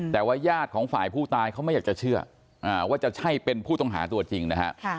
แต่ว่าญาติของฝ่ายผู้ตายเขาไม่อยากจะเชื่อว่าจะใช่เป็นผู้ต้องหาตัวจริงนะฮะ